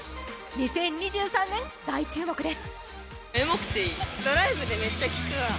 ２０２３年、大注目です。